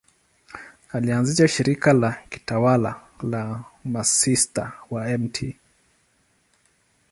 Alianzisha shirika la kitawa la Masista wa Mt.